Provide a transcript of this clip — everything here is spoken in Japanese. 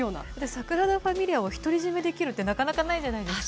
サグラダ・ファミリアを独り占めできるってなかなかないじゃないですか。